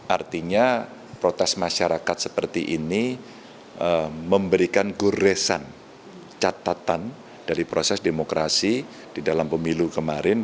artinya protes masyarakat seperti ini memberikan goresan catatan dari proses demokrasi di dalam pemilu kemarin